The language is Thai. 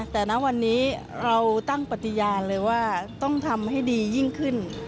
แต่ณวันนี้เราตั้งปฏิญาณเลยว่าต้องทำให้ดียิ่งขึ้น